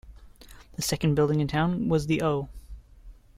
The second building in town was the O.